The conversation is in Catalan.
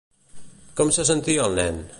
Com se sentia el nen?